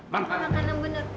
maka enggak bener